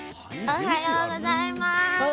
おはようございます。